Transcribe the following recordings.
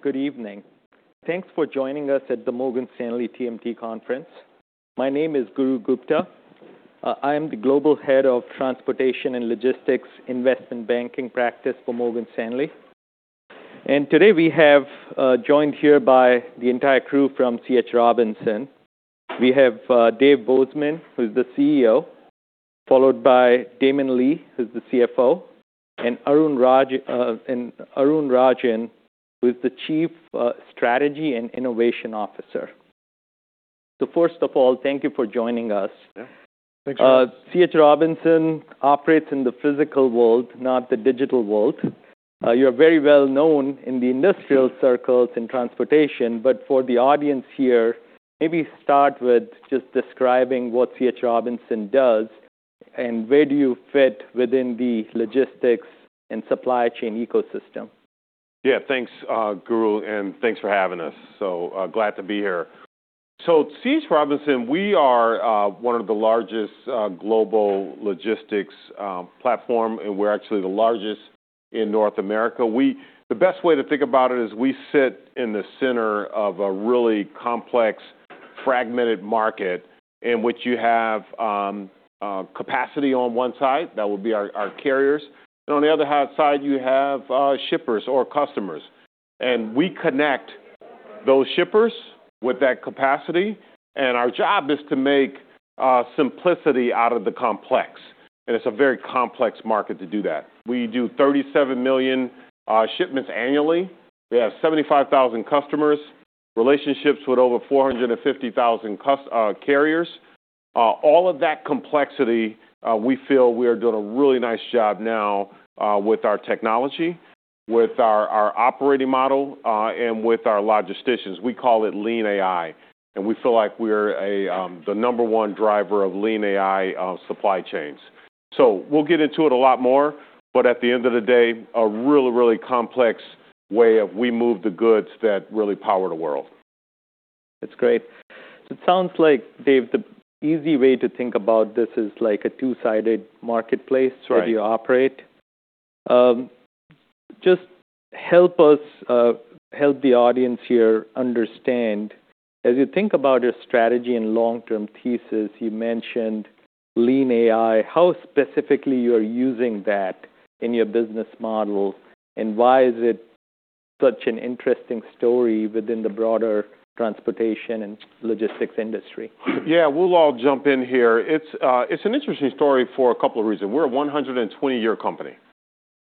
Good evening. Thanks for joining us at the Morgan Stanley TMT Conference. My name is Guru Gupta. I am the Global Head of Transportation and Logistics, Investment Banking Practice for Morgan Stanley. Today we have joined here by the entire crew from C.H. Robinson. We have Dave Bozeman, who's the CEO, followed by Damon Lee, who's the CFO, Arun Rajan, who is the Chief Strategy and Innovation Officer. First of all, thank you for joining us. Yeah. Thanks for having us. C.H. Robinson operates in the physical world, not the digital world. You're very well known in the industrial circles in transportation. For the audience here, maybe start with just describing what C.H. Robinson does and where do you fit within the logistics and supply chain ecosystem? Yeah. Thanks, Guru, and thanks for having us. Glad to be here. At C.H. Robinson, we are one of the largest global logistics platform, and we're actually the largest in North America. The best way to think about it is we sit in the center of a really complex, fragmented market in which you have capacity on one side, that would be our carriers, and on the other side, you have shippers or customers. We connect those shippers with that capacity, and our job is to make simplicity out of the complex. It's a very complex market to do that. We do 37 million shipments annually. We have 75,000 customers, relationships with over 450,000 carriers. All of that complexity, we feel we are doing a really nice job now, with our technology, with our operating model, and with our logisticians. We call it Lean AI, and we feel like we're the number one driver of Lean AI, supply chains. We'll get into it a lot more, but at the end of the day, a really, really complex way of we move the goods that really power the world. That's great. It sounds like, Dave, the easy way to think about this is like a two-sided marketplace. Right ...where you operate. Just help us help the audience here understand, as you think about your strategy and long-term thesis, you mentioned Lean AI. How specifically you are using that in your business model, and why is it such an interesting story within the broader transportation and logistics industry? Yeah. We'll all jump in here. It's an interesting story for a couple of reasons. We're a 120-year company.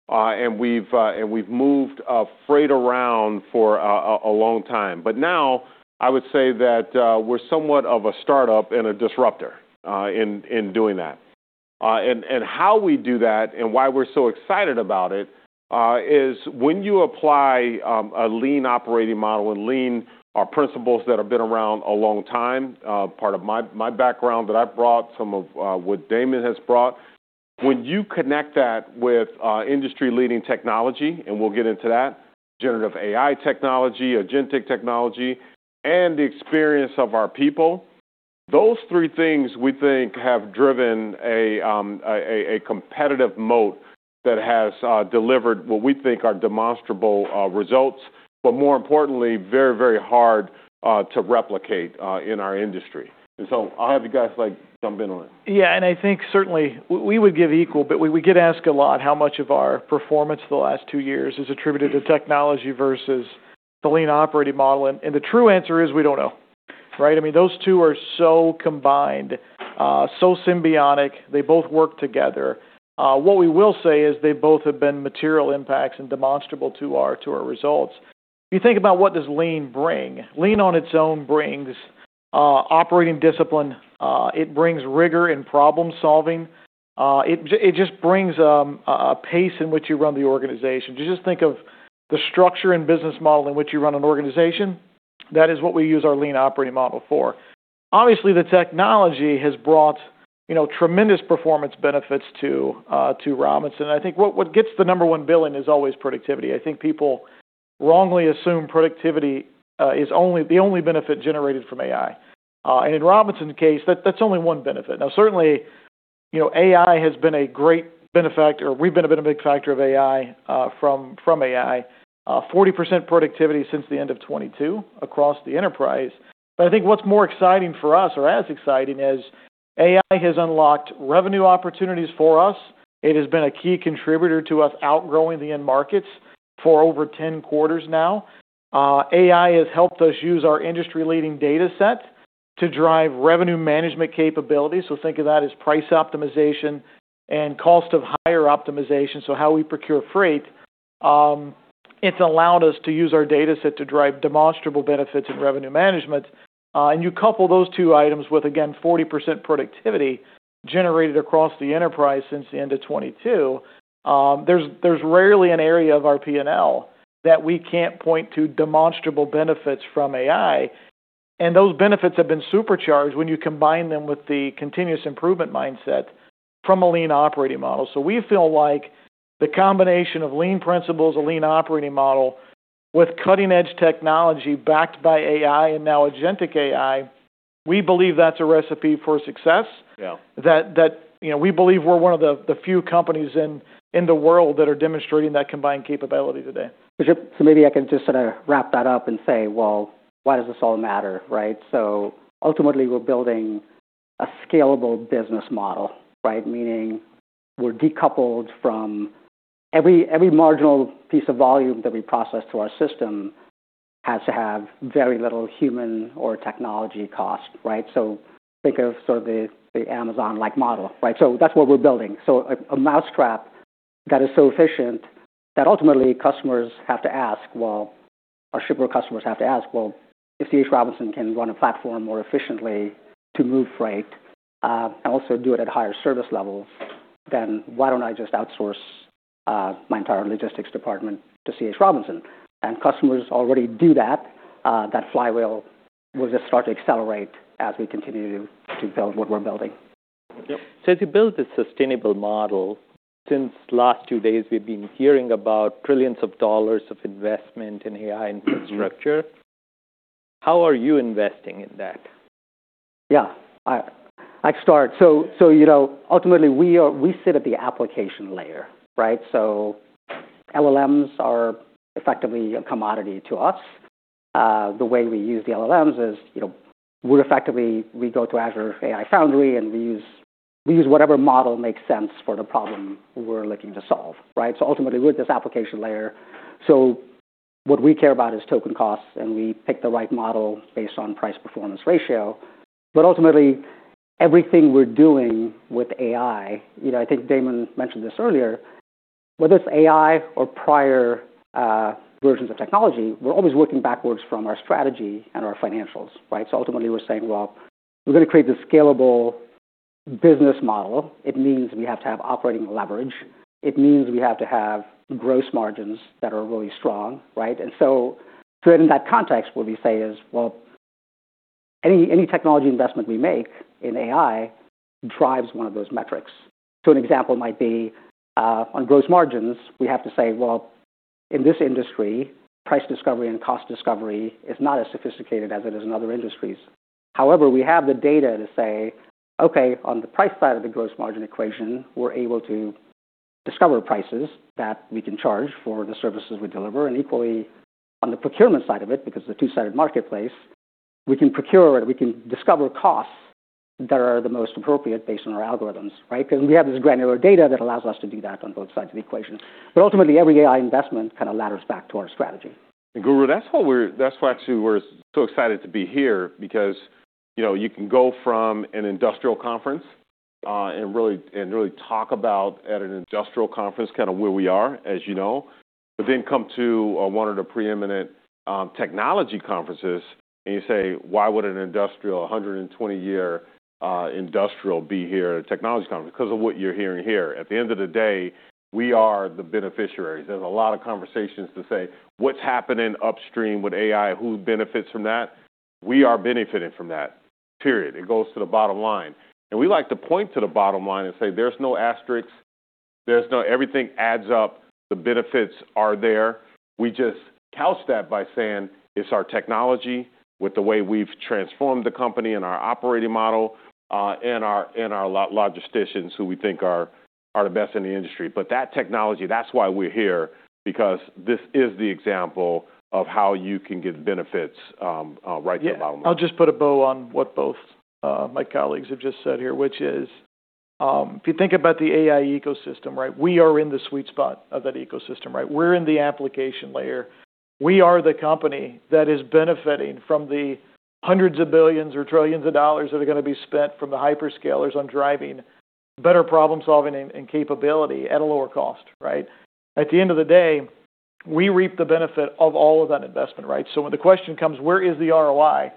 And we've moved freight around for a long time. Now, I would say that we're somewhat of a startup and a disruptor in doing that. How we do that and why we're so excited about it is when you apply a lean operating model and lean are principles that have been around a long time, part of my background that I've brought, some of what Damon has brought. When you connect that with industry-leading technology, and we'll get into that, Generative AI technology, agentic technology, and the experience of our people, those three things we think have driven a competitive moat that has delivered what we think are demonstrable results, but more importantly, very, very hard to replicate in our industry. I'll have you guys like jump in on it. Yeah. I think certainly we would give equal, but we get asked a lot how much of our performance the last two years is attributed to technology versus the lean operating model. The true answer is we don't know, right? I mean, those two are so combined, so symbiotic, they both work together. What we will say is they both have been material impacts and demonstrable to our, to our results. If you think about what does lean bring, lean on its own brings, operating discipline, it brings rigor and problem-solving. It just brings a pace in which you run the organization. You just think of the structure and business model in which you run an organization, that is what we use our lean operating model for. Obviously, the technology has brought, you know, tremendous performance benefits to Robinson. I think what gets the number one bill in is always productivity. I think people wrongly assume productivity is the only benefit generated from AI. In Robinson case, that's only one benefit. Now, certainly, you know, AI has been a great benefactor. We've been a bit of a big factor of AI from AI. 40% productivity since the end of 2022 across the enterprise. I think what's more exciting for us or as exciting is AI has unlocked revenue opportunities for us. It has been a key contributor to us outgrowing the end markets for over 10 quarters now. AI has helped us use our industry-leading data set to drive revenue management capabilities. Think of that as price optimization and cost of hire optimization, so how we procure freight. It's allowed us to use our data set to drive demonstrable benefits in revenue management. You couple those two items with, again, 40% productivity generated across the enterprise since the end of 2022, there's rarely an area of our P&L that we can't point to demonstrable benefits from AI. Those benefits have been supercharged when you combine them with the continuous improvement mindset from a lean operating model. We feel like the combination of lean principles, a lean operating model with cutting-edge technology backed by AI and now Agentic AI. We believe that's a recipe for success. Yeah. That, you know, we believe we're one of the few companies in the world that are demonstrating that combined capability today. Maybe I can just sort of wrap that up and say, well, why does this all matter, right? Ultimately, we're building a scalable business model, right? Meaning we're decoupled from every marginal piece of volume that we process through our system has to have very little human or technology cost, right? Think of sort of the Amazon-like model, right? That's what we're building. A mousetrap that is so efficient that ultimately customers have to ask, well, our shipper customers have to ask, "Well, if C.H. Robinson can run a platform more efficiently to move freight and also do it at higher service levels, then why don't I just outsource my entire logistics department to C.H. Robinson?" Customers already do that. That flywheel will just start to accelerate as we continue to build what we're building. Yep. As you build this sustainable model, since last two days we've been hearing about trillions of dollars of investment in AI infrastructure, how are you investing in that? Yeah. I start. You know, ultimately we sit at the application layer, right? LLMs are effectively a commodity to us. The way we use the LLMs is, you know, we're effectively, we go to Azure AI Foundry, we use whatever model makes sense for the problem we're looking to solve, right? Ultimately, we're this application layer. What we care about is token costs, we pick the right model based on price performance ratio. Ultimately, everything we're doing with AI, you know, I think Damon mentioned this earlier, whether it's AI or prior versions of technology, we're always working backwards from our strategy and our financials, right? Ultimately, we're saying, "Well, we're gonna create this scalable business model." It means we have to have operating leverage. It means we have to have gross margins that are really strong, right? Within that context, what we say is, "Well, any technology investment we make in AI drives one of those metrics." An example might be, on gross margins, we have to say, well, in this industry, price discovery and cost discovery is not as sophisticated as it is in other industries. However, we have the data to say, "Okay, on the price side of the gross margin equation, we're able to discover prices that we can charge for the services we deliver," and equally on the procurement side of it, because it's a two-sided marketplace, we can procure or we can discover costs that are the most appropriate based on our algorithms, right? Because we have this granular data that allows us to do that on both sides of the equation. Ultimately, every AI investment kind of ladders back to our strategy. Guru, that's why actually we're so excited to be here because, you know, you can go from an industrial conference and really talk about at an industrial conference kind of where we are, as you know. Come to one of the preeminent technology conferences and you say, "Why would an industrial, 120 year industrial be here at a technology conference?" Because of what you're hearing here. At the end of the day, we are the beneficiaries. There's a lot of conversations to say, what's happening upstream with AI? Who benefits from that? We are benefiting from that, period. It goes to the bottom line. We like to point to the bottom line and say, "There's no asterisks. Everything adds up. The benefits are there." We just couch that by saying it's our technology with the way we've transformed the company and our operating model, and our logisticians who we think are the best in the industry. That technology, that's why we're here, because this is the example of how you can get benefits, right from the bottom line. Yeah. I'll just put a bow on what both my colleagues have just said here, which is, if you think about the AI ecosystem, right? We are in the sweet spot of that ecosystem, right? We're in the application layer. We are the company that is benefiting from the hundreds of billions or trillions of dollars that are gonna be spent from the hyperscalers on driving better problem-solving and capability at a lower cost, right? At the end of the day, we reap the benefit of all of that investment, right? When the question comes, where is the ROI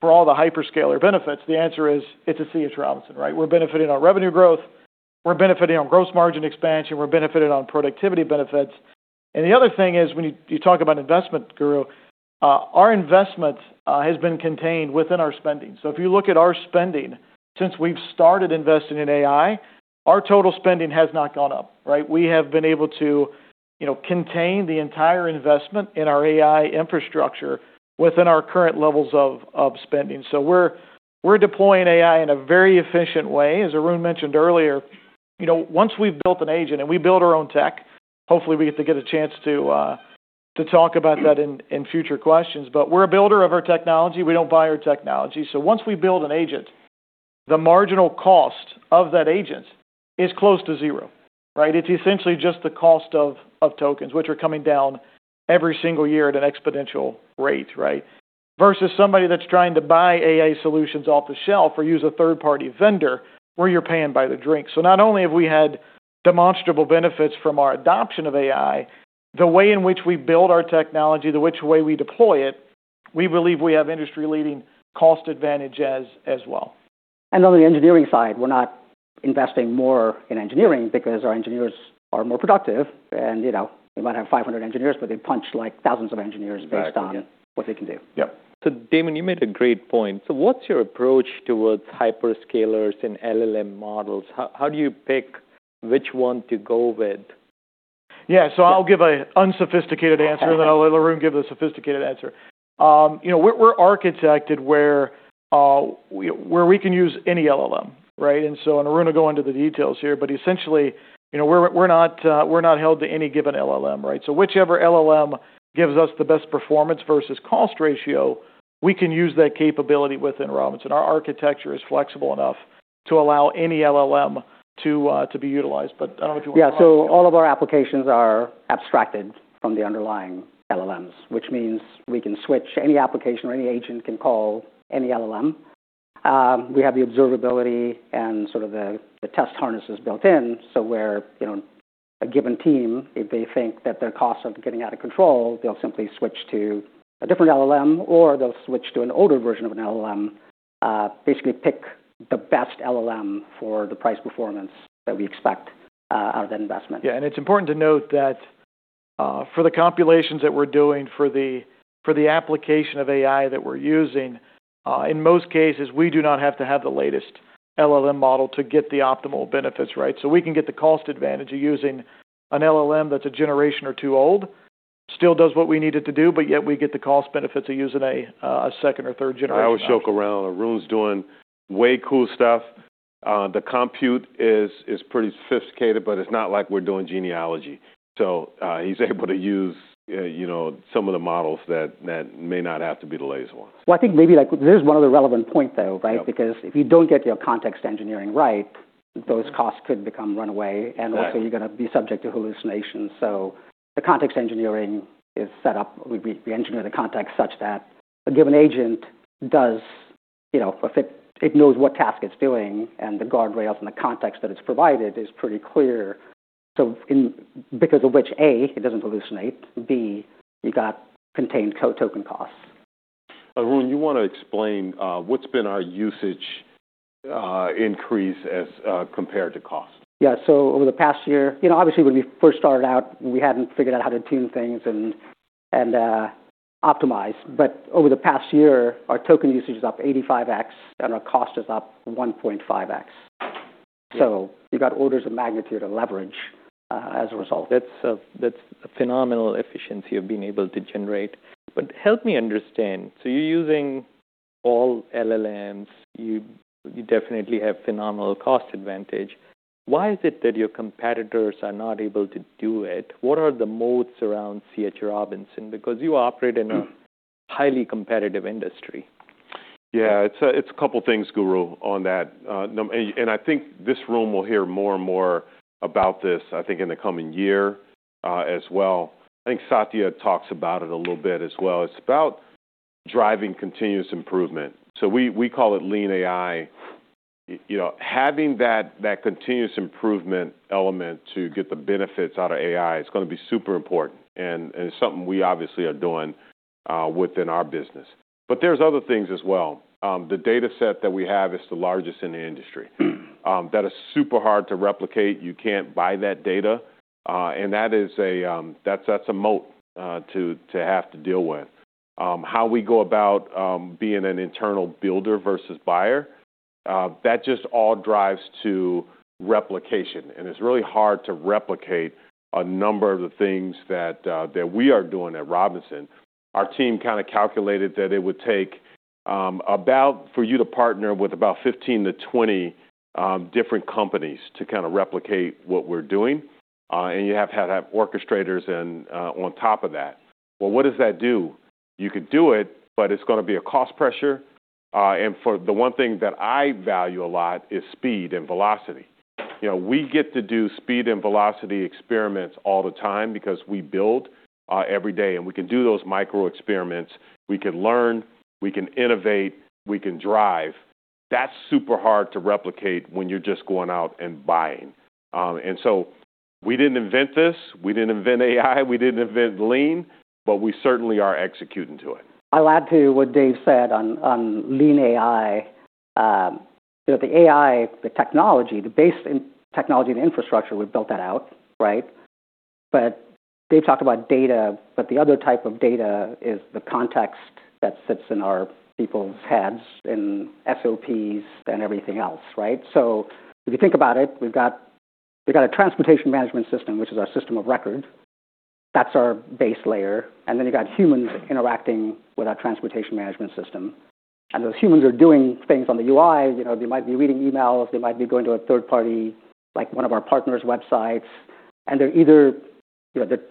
for all the hyperscaler benefits, the answer is, it's at C.H. Robinson, right? We're benefiting on revenue growth, we're benefiting on gross margin expansion, we're benefiting on productivity benefits. The other thing is, when you talk about investment, Guru, our investment has been contained within our spending. If you look at our spending, since we've started investing in AI, our total spending has not gone up, right? We have been able to, you know, contain the entire investment in our AI infrastructure within our current levels of spending. We're, we're deploying AI in a very efficient way. As Arun mentioned earlier, you know, once we've built an agent and we build our own tech, hopefully we get to get a chance to talk about that in future questions. We're a builder of our technology. We don't buy our technology. Once we build an agent, the marginal cost of that agent is close to zero, right? It's essentially just the cost of tokens, which are coming down every single year at an exponential rate, right? Versus somebody that's trying to buy AI solutions off the shelf or use a third-party vendor where you're paying by the drink. Not only have we had demonstrable benefits from our adoption of AI, the way in which we build our technology, the which way we deploy it, we believe we have industry-leading cost advantage as well. On the engineering side, we're not investing more in engineering because our engineers are more productive and, you know, we might have 500 engineers, but they punch like thousands of engineers based on. Exactly, yeah. what they can do. Yep. Damon, you made a great point. What's your approach towards hyperscalers and LLM models? How do you pick which one to go with? Yeah. I'll give an unsophisticated answer, and then I'll let Arun give the sophisticated answer. You know, we're architected where we can use any LLM, right? We're gonna go into the details here, but essentially, you know, we're not, we're not held to any given LLM, right? Whichever LLM gives us the best performance versus cost ratio, we can use that capability within Robinson. Our architecture is flexible enough to allow any LLM to be utilized. I don't know if you wanna talk- Yeah. All of our applications are abstracted from the underlying LLMs, which means we can switch any application or any agent can call any LLM. We have the observability and sort of the test harnesses built in. Where, you know, a given team, if they think that their costs are getting out of control, they'll simply switch to a different LLM, or they'll switch to an older version of an LLM, basically pick the best LLM for the price performance that we expect, out of that investment. Yeah. It's important to note that for the compilations that we're doing for the, for the application of AI that we're using, in most cases, we do not have to have the latest LLM model to get the optimal benefits, right? We can get the cost advantage of using an LLM that's a generation or two old, still does what we need it to do, but yet we get the cost benefit to using a second or third generation. I always joke around, Arun's doing way cool stuff. The compute is pretty sophisticated, but it's not like we're doing genealogy. He's able to use, you know, some of the models that may not have to be the latest ones. Well, I think maybe, like, there's one other relevant point, though, right? Yep. If you don't get your context engineering right, those costs could become runaway. Right. Also you're gonna be subject to hallucinations. The context engineering is set up. We engineer the context such that a given agent does, you know, if it knows what task it's doing and the guardrails and the context that it's provided is pretty clear. Because of which, A, it doesn't hallucinate, B, you got contained co-token costs. Arun, you wanna explain, what's been our usage, increase as, compared to cost? Over the past year, You know, obviously, when we first started out, we hadn't figured out how to tune things and optimize. Over the past year, our token usage is up 85x and our cost is up 1.5x. Yeah. You got orders of magnitude of leverage, as a result. That's a phenomenal efficiency of being able to generate. Help me understand. You're using all LLMs, you definitely have phenomenal cost advantage. Why is it that your competitors are not able to do it? What are the modes around C.H. Robinson? You operate in a highly competitive industry. Yeah. It's a couple things, Guru, on that. I think this room will hear more and more about this, I think, in the coming year as well. I think Satya talks about it a little bit as well. It's about driving continuous improvement. We call it Lean AI. you know, having that continuous improvement element to get the benefits out of AI is gonna be super important and something we obviously are doing within our business. There's other things as well. The dataset that we have is the largest in the industry, that is super hard to replicate. You can't buy that data, that's a moat to have to deal with. How we go about being an internal builder versus buyer, that just all drives to replication, and it's really hard to replicate a number of the things that we are doing at Robinson. Our team kinda calculated that it would take about for you to partner with about 15 to 20 different companies to kinda replicate what we're doing, and you have to have orchestrators and on top of that. What does that do? You could do it, but it's gonna be a cost pressure. For the one thing that I value a lot is speed and velocity. You know, we get to do speed and velocity experiments all the time because we build every day, and we can do those micro experiments. We can learn, we can innovate, we can drive. That's super hard to replicate when you're just going out and buying. We didn't invent this. We didn't invent AI. We didn't invent lean, but we certainly are executing to it. I'll add to what Dave said on Lean AI. You know, the AI, the technology, the base technology and infrastructure, we've built that out, right? Dave talked about data, but the other type of data is the context that sits in our people's heads, in SOPs and everything else, right? If you think about it, we've got a transportation management system, which is our system of record. That's our base layer. Then you've got humans interacting with our transportation management system. Those humans are doing things on the UI. You know, they might be reading emails, they might be going to a third party, like one of our partner's websites, and they're either, you know, they're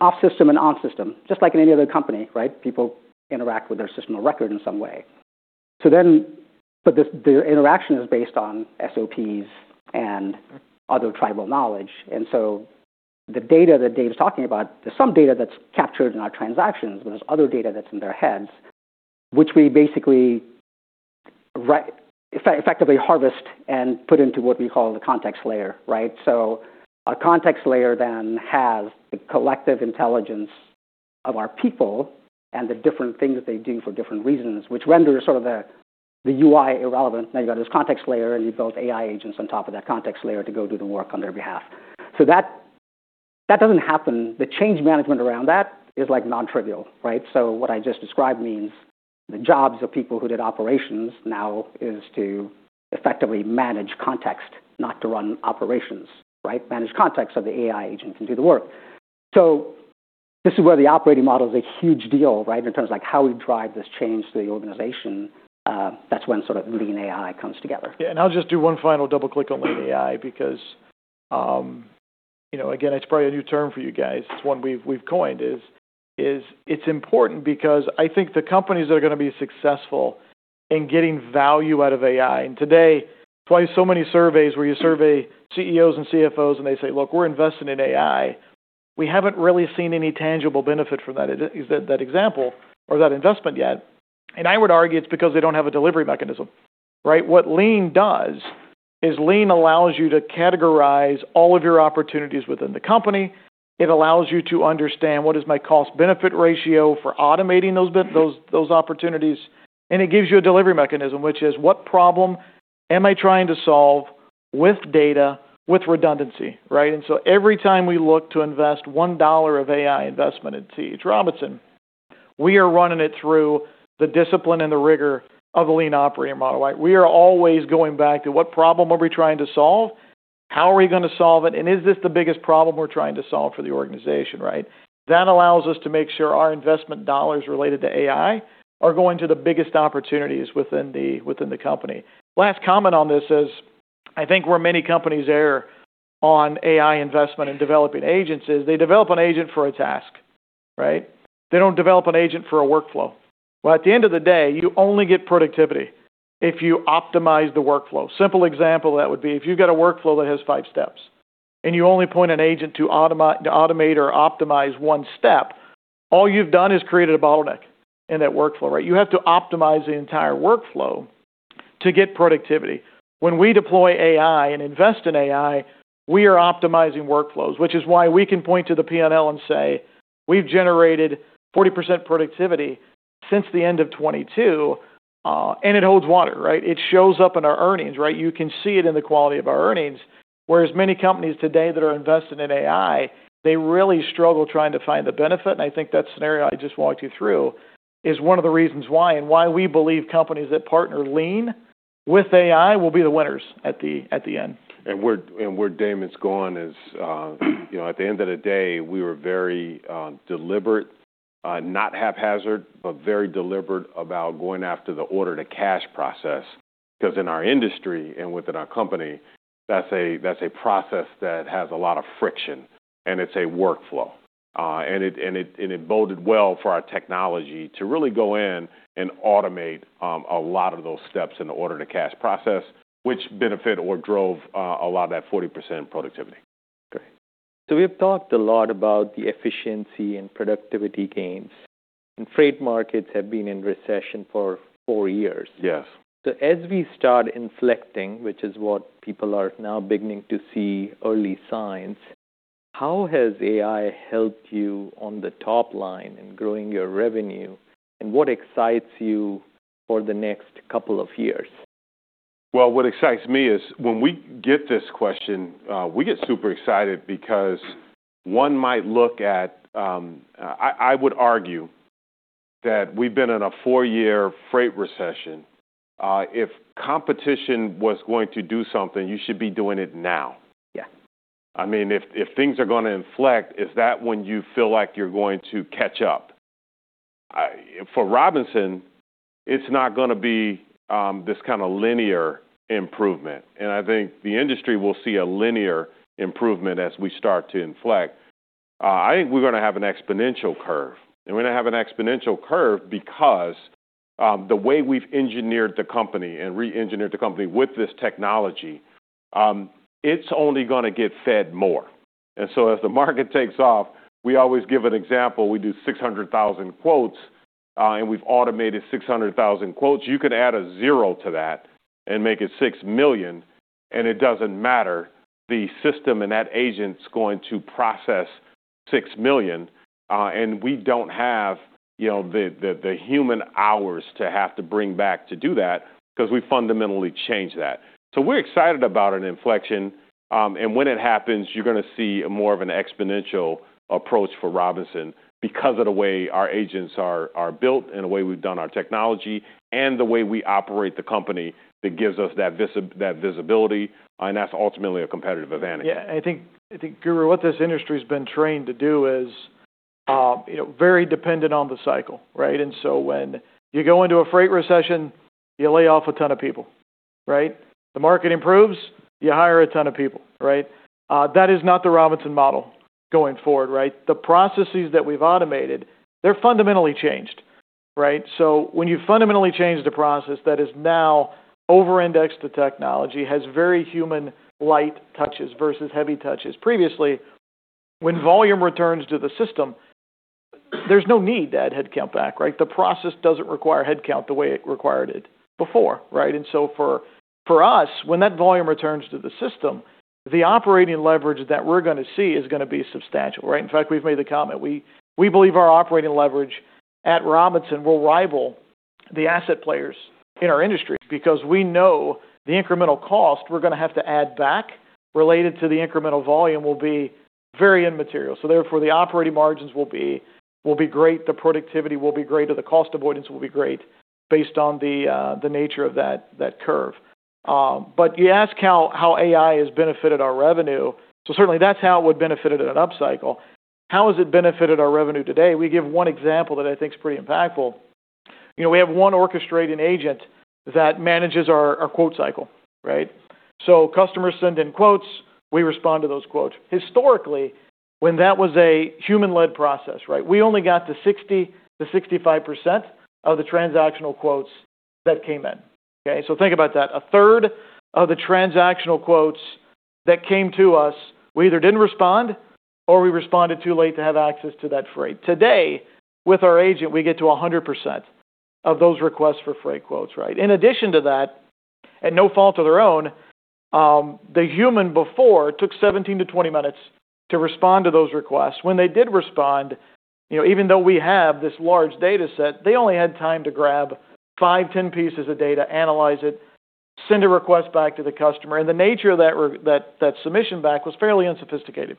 off system and on system, just like in any other company, right? People interact with their system of record in some way. This, the interaction is based on SOPs and other tribal knowledge. The data that Dave's talking about, there's some data that's captured in our transactions, but there's other data that's in their heads, which we effectively harvest and put into what we call the context layer, right? Our context layer then has the collective intelligence of our people and the different things that they do for different reasons, which renders sort of the UI irrelevant. Now you've got this context layer, and you build AI agents on top of that context layer to go do the work on their behalf. That, that doesn't happen. The change management around that is, like, non-trivial, right? What I just described means The jobs of people who did operations now is to effectively manage context, not to run operations, right? Manage context so the AI agent can do the work. This is where the operating model is a huge deal, right? In terms of like how we drive this change to the organization, that's when sort of Lean AI comes together. Yeah. I'll just do one final double click on Lean AI because, you know, again, it's probably a new term for you guys. It's one we've coined is it's important because I think the companies that are gonna be successful in getting value out of AI. Today, why so many surveys where you survey CEOs and CFOs, and they say, "Look, we're investing in AI. We haven't really seen any tangible benefit from that example or that investment yet." I would argue it's because they don't have a delivery mechanism, right? What Lean does is Lean allows you to categorize all of your opportunities within the company. It allows you to understand what is my cost-benefit ratio for automating those opportunities, and it gives you a delivery mechanism, which is what problem am I trying to solve with data, with redundancy, right? Every time we look to invest $1 of AI investment at C.H. Robinson, we are running it through the discipline and the rigor of the lean operating model, right? We are always going back to what problem are we trying to solve? How are we gonna solve it, and is this the biggest problem we're trying to solve for the organization, right? That allows us to make sure our investment dollars related to AI are going to the biggest opportunities within the company. Last comment on this is, I think where many companies err on AI investment and developing agents is they develop an agent for a task, right? They don't develop an agent for a workflow. Well, at the end of the day, you only get productivity if you optimize the workflow. Simple example of that would be if you've got a workflow that has five steps and you only point an agent to automate or optimize one step, all you've done is created a bottleneck in that workflow, right? You have to optimize the entire workflow to get productivity. When we deploy AI and invest in AI, we are optimizing workflows, which is why we can point to the P&L and say, "We've generated 40% productivity since the end of 2022," and it holds water, right? It shows up in our earnings, right? You can see it in the quality of our earnings. Whereas many companies today that are invested in AI, they really struggle trying to find the benefit. I think that scenario I just walked you through is one of the reasons why and why we believe companies that partner lean with AI will be the winners at the end. Where Damon's going is, you know, at the end of the day, we were very deliberate, not haphazard, but very deliberate about going after the order-to-cash process, because in our industry and within our company, that's a, that's a process that has a lot of friction, and it's a workflow. It boded well for our technology to really go in and automate a lot of those steps in the order-to-cash process, which benefit or drove a lot of that 40% productivity. We've talked a lot about the efficiency and productivity gains, and freight markets have been in recession for four years. Yes. As we start inflecting, which is what people are now beginning to see early signs, how has AI helped you on the top line in growing your revenue, and what excites you for the next couple of years? Well, what excites me is when we get this question, we get super excited because one might look at. I would argue that we've been in a four-year freight recession. If competition was going to do something, you should be doing it now. Yeah. I mean, if things are gonna inflect, is that when you feel like you're going to catch up? For Robinson, it's not gonna be, this kinda linear improvement. I think the industry will see a linear improvement as we start to inflect. I think we're gonna have an exponential curve, and we're gonna have an exponential curve because, the way we've engineered the company and re-engineered the company with this technology, it's only gonna get fed more. As the market takes off, we always give an example, we do 600,000 quotes, and we've automated 600,000 quotes. You could add a zero to that and make it 6 million, and it doesn't matter. The system that agent's going to process 6 million, and we don't have, you know, the human hours to have to bring back to do that because we fundamentally changed that. We're excited about an inflection. When it happens, you're gonna see more of an exponential approach for C.H. Robinson because of the way our agents are built and the way we've done our technology and the way we operate the company that gives us that visibility. That's ultimately a competitive advantage. Yeah. I think, Guru, what this industry's been trained to do is, you know, very dependent on the cycle, right? When you go into a freight recession, you lay off a ton of people, right? The market improves, you hire a ton of people, right? That is not the Robinson model going forward, right? The processes that we've automated, they're fundamentally changed, right? When you fundamentally change the process that is now over-indexed to technology, has very human light touches versus heavy touches previously, when volume returns to the system, there's no need to add headcount back, right? The process doesn't require headcount the way it required it before, right? For us, when that volume returns to the system, the operating leverage that we're gonna see is gonna be substantial, right? In fact, we've made the comment. We believe our operating leverage at Robinson will rival the asset players in our industry because we know the incremental cost we're gonna have to add back related to the incremental volume will be very immaterial. Therefore, the operating margins will be great, the productivity will be great, or the cost avoidance will great based on the nature of that curve. You ask how AI has benefited our revenue. Certainly that's how it would benefit it at an up cycle. How has it benefited our revenue today? We give one example that I think is pretty impactful. You know, we have one orchestrating agent that manages our quote cycle, right? Customers send in quotes, we respond to those quotes. Historically, when that was a human-led process, right, we only got to 60%-65% of the transactional quotes that came in. Okay? Think about that. A third of the transactional quotes that came to us, we either didn't respond or we responded too late to have access to that freight. Today, with our agent, we get to 100% of those requests for freight quotes, right? In addition to that, at no fault of their own, the human before took 17-20 minutes to respond to those requests. When they did respond, you know, even though we have this large data set, they only had time to grab five, 10 pieces of data, analyze it, send a request back to the customer, and the nature of that submission back was fairly unsophisticated.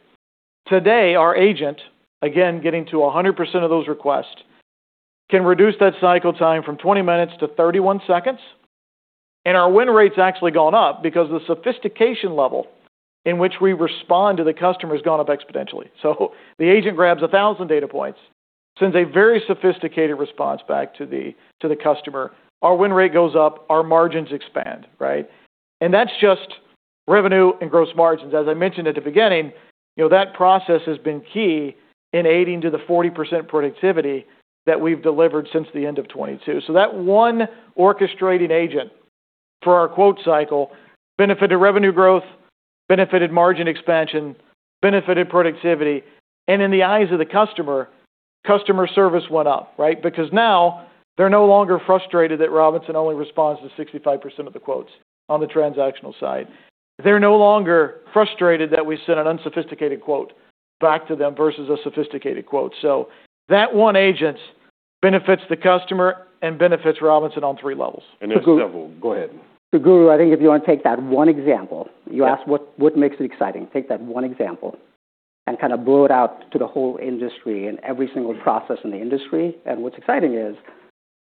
Today, our agent, again, getting to 100% of those requests, can reduce that cycle time from 20 minutes to 31 seconds, and our win rate's actually gone up because the sophistication level in which we respond to the customer has gone up exponentially. The agent grabs 1,000 data points, sends a very sophisticated response back to the, to the customer. Our win rate goes up, our margins expand, right? That's just revenue and gross margins. As I mentioned at the beginning, you know, that process has been key in aiding to the 40% productivity that we've delivered since the end of 2022. That one orchestrating agent for our quote cycle benefited revenue growth, benefited margin expansion, benefited productivity, and in the eyes of the customer service went up, right? Now they're no longer frustrated that Robinson only responds to 65% of the quotes on the transactional side. They're no longer frustrated that we sent an unsophisticated quote back to them versus a sophisticated quote. That one agent benefits the customer and benefits Robinson on three levels. There's several. Go ahead. Guru, I think if you wanna take that one example, you ask what makes it exciting? Take that one example and kind of blow it out to the whole industry and every single process in the industry. What's exciting is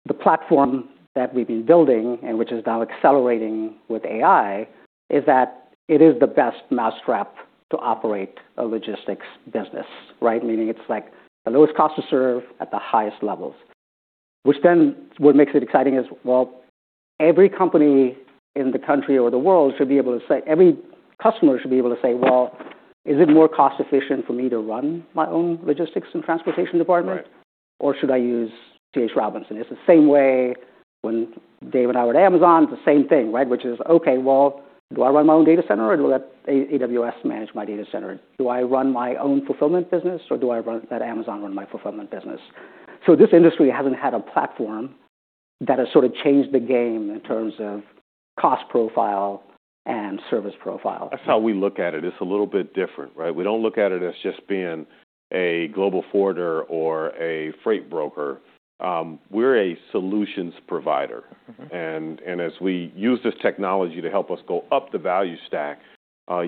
the platform that we've been building and which is now accelerating with AI, is that it is the best mousetrap to operate a logistics business, right? Meaning it's like the lowest cost to serve at the highest levels, which then what makes it exciting is, well, every customer should be able to say, "Well, is it more cost efficient for me to run my own logistics and transportation department? Right. Or should I use C.H. Robinson?" It's the same way when Dave and I were at Amazon, the same thing, right? Do I run my own data center or do I let AWS manage my data center? Do I run my own fulfillment business or do I let Amazon run my fulfillment business? This industry hasn't had a platform that has sort of changed the game in terms of cost profile and service profile. That's how we look at it. It's a little bit different, right? We don't look at it as just being a global forwarder or a freight broker. We're a solutions provider. Mm-hmm. As we use this technology to help us go up the value stack,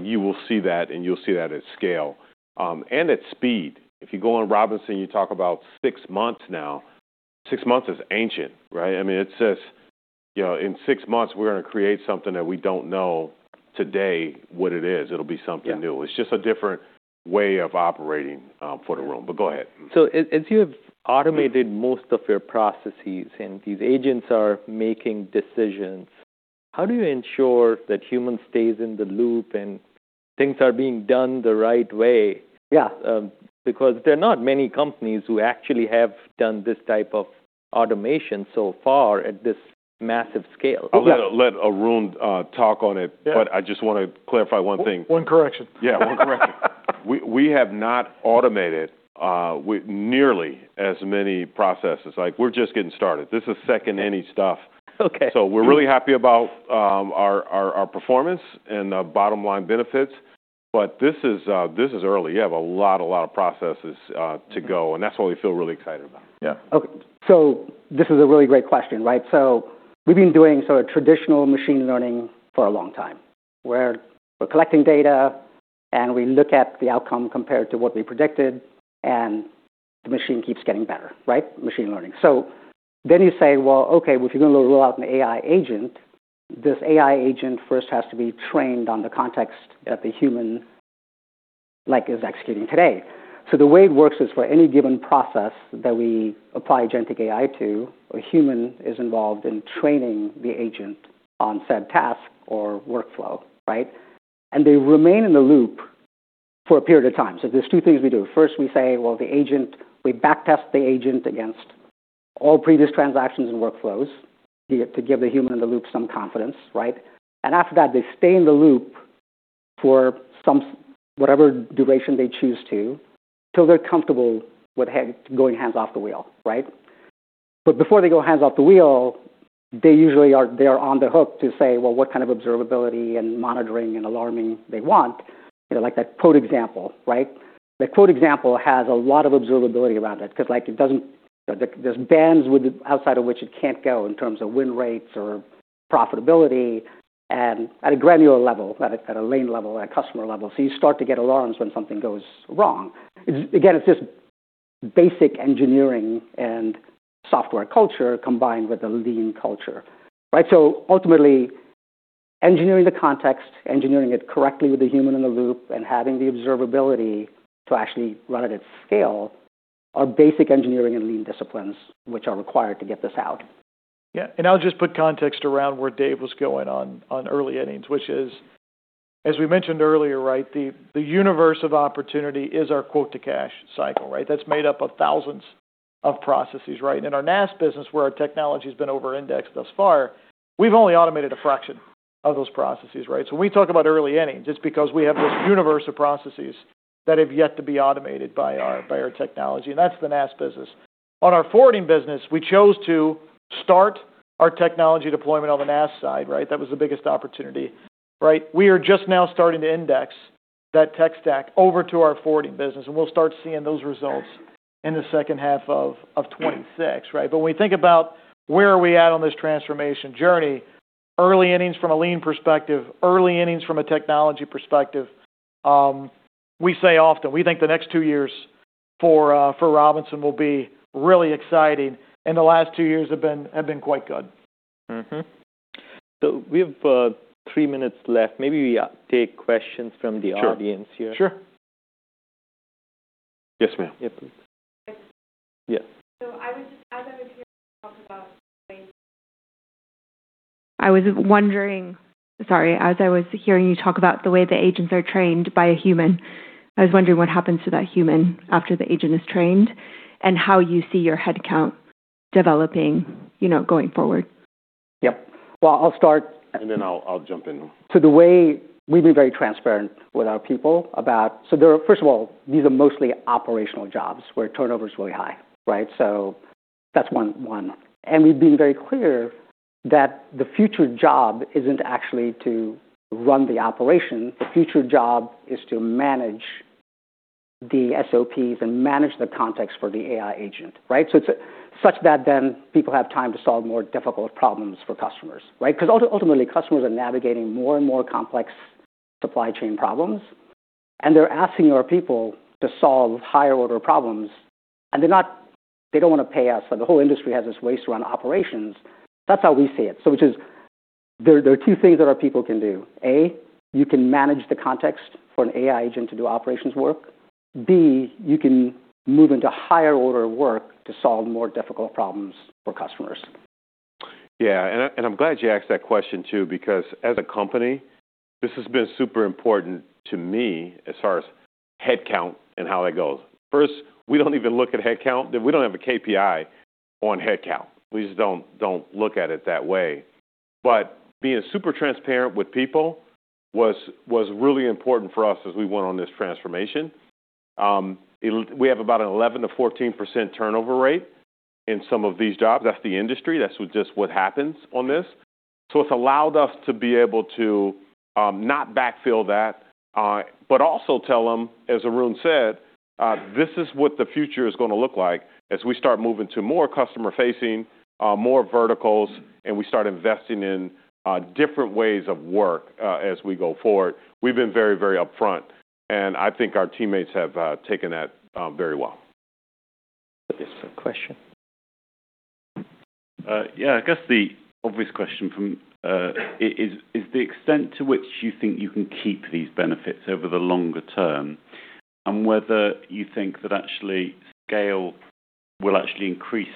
you will see that and you'll see that at scale and at speed. If you go on Robinson, you talk about six months now. Six months is ancient, right? I mean, it says, you know, in six months we're gonna create something that we don't know today what it is. It'll be something new. Yeah. It's just a different way of operating, for the room. Go ahead. As you have automated most of your processes and these agents are making decisions, how do you ensure that human stays in the loop and things are being done the right way? Yeah. Because there are not many companies who actually have done this type of automation so far at this massive scale. Yeah. I'll let Arun talk on it. Yeah. I just wanna clarify one thing. One correction. Yeah, one correction. We have not automated nearly as many processes. Like, we're just getting started. This is second inning stuff. Okay. We're really happy about our performance and bottom line benefits, but this is early. You have a lot of processes to go, and that's what we feel really excited about. Yeah. Okay. This is a really great question, right? We've been doing sort of traditional machine learning for a long time, where we're collecting data and we look at the outcome compared to what we predicted, and the machine keeps getting better, right? Machine learning. You say, well, okay, if you're gonna roll out an AI agent, this AI agent first has to be trained on the context that the human, like, is executing today. The way it works is for any given process that we apply Agentic AI to, a human is involved in training the agent on said task or workflow, right? They remain in the loop for a period of time. There's two things we do. We say, well, the agent, we back test the agent against all previous transactions and workflows to give the human in the loop some confidence, right? After that, they stay in the loop for whatever duration they choose to, till they're comfortable with going hands off the wheel, right? Before they go hands off the wheel, they usually are on the hook to say, well, what kind of observability and monitoring and alarming they want. You know, like that quote example, right? The quote example has a lot of observability around it because, like, it doesn't. There's bands outside of which it can't go in terms of win rates or profitability and at a granular level, at a lane level, at a customer level. You start to get alarms when something goes wrong. It's just basic engineering and software culture combined with the lean culture, right? Ultimately, engineering the context, engineering it correctly with a human in the loop, and having the observability to actually run it at scale are basic engineering and lean disciplines which are required to get this out. I'll just put context around where Dave was going on early innings, which is, as we mentioned earlier, right, the universe of opportunity is our quote-to-cash cycle, right? That's made up of thousands of processes, right? In our NAS business, where our technology has been over-indexed thus far, we've only automated a fraction of those processes, right? When we talk about early innings, it's because we have this universe of processes that have yet to be automated by our, by our technology, and that's the NAS business. On our forwarding business, we chose to start our technology deployment on the NAS side, right? That was the biggest opportunity, right? We are just now starting to index that tech stack over to our forwarding business, and we'll start seeing those results in the second half of 2026, right? When we think about where are we at on this transformation journey, early innings from a lean perspective, early innings from a technology perspective, we say often, we think the next two years for Robinson will be really exciting, and the last two years have been quite good. Mm-hmm. We have 3 minutes left. Maybe we take questions from the audience here. Sure, sure. Yes, ma'am. Yeah, please. As I was hearing you talk about the way the agents are trained by a human, I was wondering what happens to that human after the agent is trained and how you see your head count developing, you know, going forward? Yep. Well, I'll start. Then I'll jump in. To the way we've been very transparent with our people about. There are, first of all, these are mostly operational jobs where turnover is really high, right. That's one. We've been very clear that the future job isn't actually to run the operation. The future job is to manage the SOPs and manage the context for the AI agent, right. It's such that then people have time to solve more difficult problems for customers, right. 'Cause ultimately, customers are navigating more and more complex supply chain problems, and they're asking our people to solve higher order problems. They don't want to pay us. The whole industry has this race around operations. That's how we see it. Which is, there are two things that our people can do. A, you can manage the context for an AI agent to do operations work. B, you can move into higher order work to solve more difficult problems for customers. Yeah. I, and I'm glad you asked that question, too, because as a company, this has been super important to me as far as head count and how that goes. First, we don't even look at head count. We don't have a KPI on head count. We just don't look at it that way. Being super transparent with people was really important for us as we went on this transformation. We have about an 11%-14% turnover rate in some of these jobs. That's the industry. That's just what happens on this. It's allowed us to be able to not backfill that, but also tell them, as Arun said, this is what the future is gonna look like as we start moving to more customer-facing, more verticals, and we start investing in different ways of work as we go forward. We've been very, very upfront, and I think our teammates have taken that very well. This is a question. Yeah. I guess the obvious question from, is the extent to which you think you can keep these benefits over the longer term and whether you think that actually scale will actually increase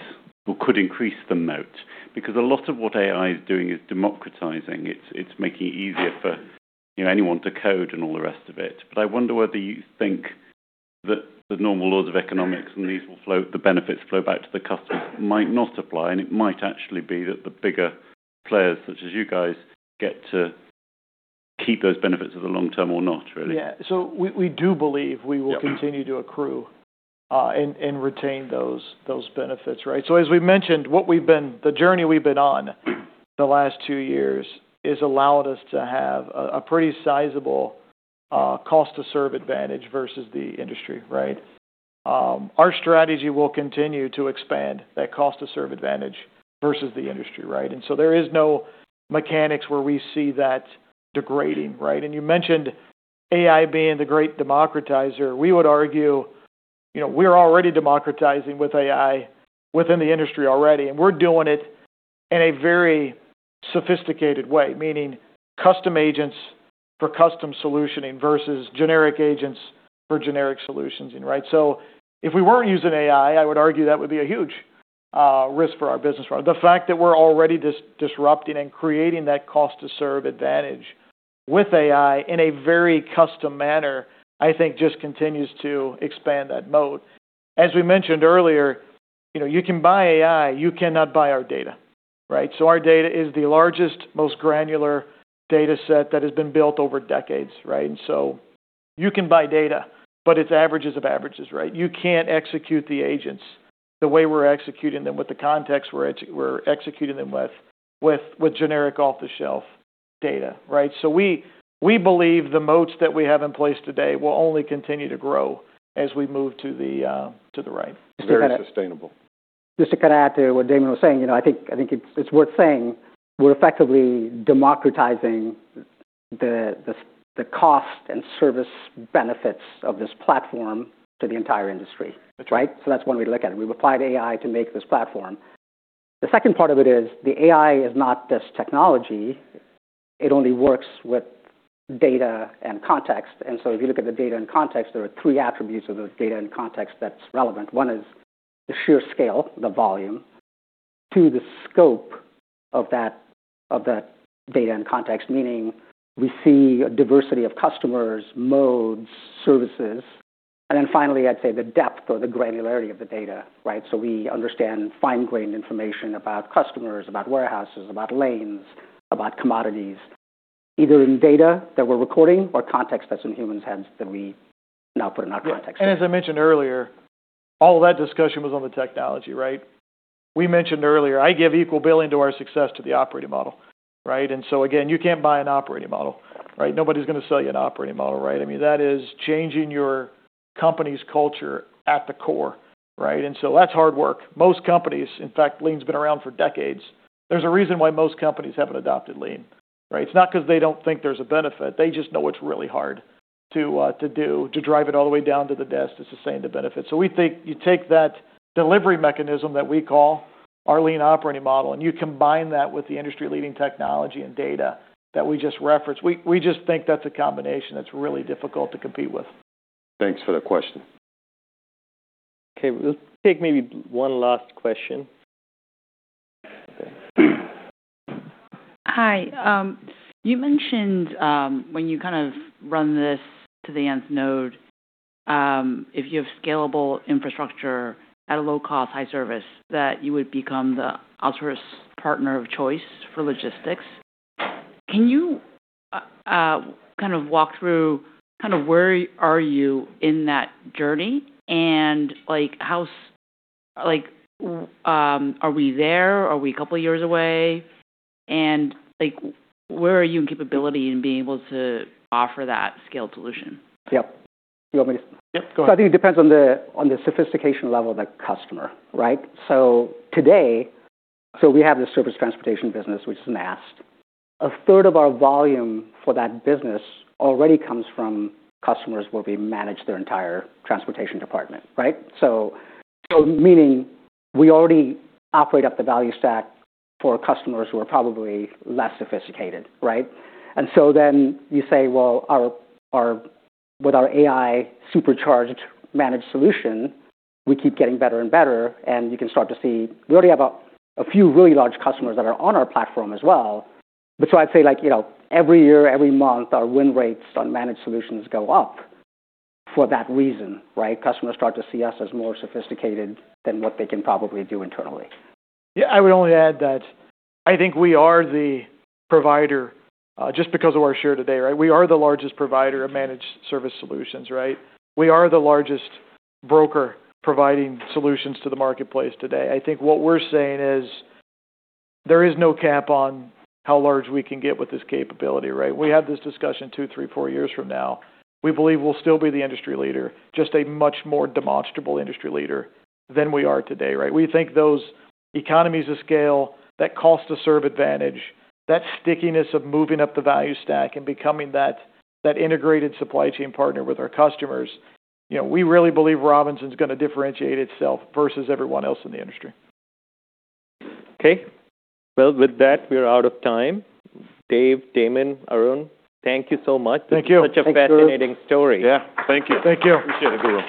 or could increase the moat. Because a lot of what AI is doing is democratizing. It's making it easier for, you know, anyone to code and all the rest of it. I wonder whether you think that the normal laws of economics and these will flow, the benefits flow back to the customer might not apply, and it might actually be that the bigger players such as you guys get to keep those benefits as a long term or not, really. Yeah. We do believe we will continue to accrue and retain those benefits, right? As we mentioned, the journey we've been on the last two years has allowed us to have a pretty sizable cost to serve advantage versus the industry, right? Our strategy will continue to expand that cost to serve advantage versus the industry, right? There is no mechanics where we see that degrading, right? You mentioned AI being the great democratizer. We would argue, you know, we're already democratizing with AI within the industry already, and we're doing it in a very sophisticated way, meaning custom agents for custom solutioning versus generic agents for generic solutions, right? If we weren't using AI, I would argue that would be a huge risk for our business. The fact that we're already disrupting and creating that cost to serve advantage with AI in a very custom manner, I think just continues to expand that moat. We mentioned earlier, you know, you can buy AI, you cannot buy our data, right? Our data is the largest, most granular data set that has been built over decades, right? You can buy data, but it's averages of averages, right? You can't execute the agents the way we're executing them with the context we're executing them with generic off the shelf data, right? We believe the moats that we have in place today will only continue to grow as we move to the right. Very sustainable. Just to kind of add to what Damon was saying, you know, I think it's worth saying we're effectively democratizing the cost and service benefits of this platform to the entire industry. That's right. That's one way to look at it. We've applied AI to make this platform. The second part of it is the AI is not just technology. It only works with data and context. If you look at the data and context, there are three attributes of those data and context that's relevant. One is the sheer scale, the volume. Two, the scope of that, of that data and context, meaning we see a diversity of customers, modes, services. Finally, I'd say the depth or the granularity of the data, right? We understand fine-grained information about customers, about warehouses, about lanes, about commodities, either in data that we're recording or context that's in humans' heads that we now put in our context. Yeah. As I mentioned earlier, all that discussion was on the technology, right? We mentioned earlier, I give equal billing to our success to the operating model, right? Again, you can't buy an operating model, right? Nobody's gonna sell you an operating model, right? I mean, that is changing your company's culture at the core, right? That's hard work. Most companies, in fact, lean's been around for decades. There's a reason why most companies haven't adopted lean, right? It's not 'cause they don't think there's a benefit. They just know it's really hard to do, to drive it all the way down to the desk to sustain the benefit. We think you take that delivery mechanism that we call our lean operating model, and you combine that with the industry leading technology and data that we just referenced. We just think that's a combination that's really difficult to compete with. Thanks for the question. Okay. We'll take maybe one last question. Okay. Hi. You mentioned, when you kind of run this to the nth node, if you have scalable infrastructure at a low cost, high service, that you would become the outsource partner of choice for logistics. Can you kind of walk through where are you in that journey? Like are we there? Are we a couple years away? Like, where are you in capability in being able to offer that scaled solution? Yep. You want me to? Yep, go ahead. I think it depends on the sophistication level of the customer, right? Today, we have the service transportation business, which is masked. A third of our volume for that business already comes from customers where we manage their entire transportation department, right? Meaning we already operate up the value stack for customers who are probably less sophisticated, right? Then you say, well, our, with our AI supercharged managed solution, we keep getting better and better, and you can start to see we already have a few really large customers that are on our platform as well. I'd say like, you know, every year, every month, our win rates on managed solutions go up for that reason, right? Customers start to see us as more sophisticated than what they can probably do internally. Yeah. I would only add that I think we are the provider, just because of our share today, right? We are the largest provider of managed service solutions, right? We are the largest broker providing solutions to the marketplace today. I think what we're saying is there is no cap on how large we can get with this capability, right? We have this discussion two, three, four years from now. We believe we'll still be the industry leader, just a much more demonstrable industry leader than we are today, right? We think those economies of scale, that cost to serve advantage, that stickiness of moving up the value stack and becoming that integrated supply chain partner with our customers, you know, we really believe Robinson's gonna differentiate itself versus everyone else in the industry. Okay. Well, with that, we are out of time. Dave, Damon, Arun, thank you so much. Thank you. Such a fascinating story. Thanks, guys. Yeah. Thank you. Thank you. Appreciate everyone.